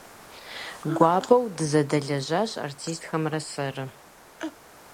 Гуапэу дызэдэлэжьащ артистхэмрэ сэрэ.